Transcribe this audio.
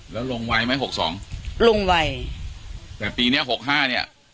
แล้วลงไวไหมหกสองลงไวแต่ปีเนี้ยหกห้าเนี้ย